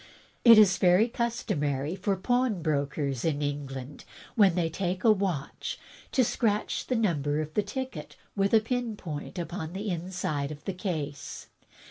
"It is very customary for pawnbrokers in England, when they take a watch, to scratch the number of the ticket with a pin point upon the inside of the case.